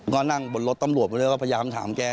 ก็นั่งบนรถตำรวจไปเลยว่าพยายามถามแก